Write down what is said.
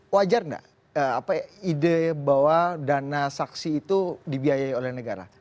wajar nggak ide bahwa dana saksi itu dibiayai oleh negara